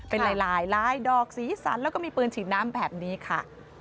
เป็นลายลายดอกสีสันแล้วก็มีปืนฉีดน้ำแบบนี้ค่ะ